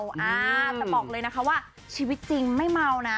แต่บอกเลยนะคะว่าชีวิตจริงไม่เมานะ